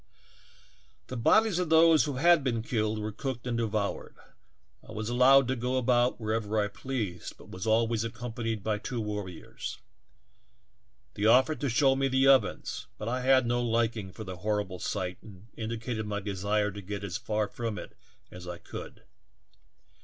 "The bodies of those who had been killed were cooked and devoured ; I was allowed to go about wherever I pleased, but was always accompanied by two warriors. They offered to show me the ovens, but I had no liking for the horrible sight and indicated my desire to get as far from it as I could.